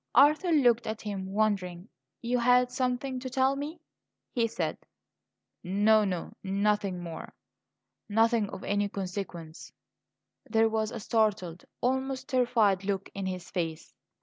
Arthur looked at him, wondering. "You had something to tell me?" he said. "No, no; nothing more nothing of any consequence." There was a startled, almost terrified look in his face.